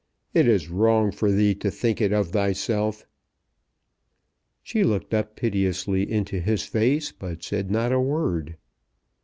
It is wrong for thee to think it of thyself." She looked up piteously into his face, but said not a word.